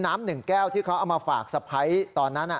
หนึ่งแก้วที่เขาเอามาฝากสะพ้ายตอนนั้น